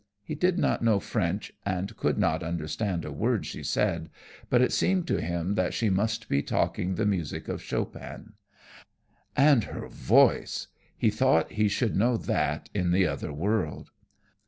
He did not know French, and could not understand a word she said, but it seemed to him that she must be talking the music of Chopin. And her voice, he thought he should know that in the other world.